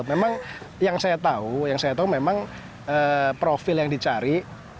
memang yang saya tahu yang saya tahu memang profil yang dicari